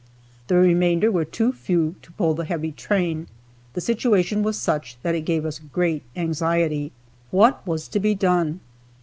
The remainder were too few to pull the heavy train. The situation was such that it gave us great anxiety. What was to be done?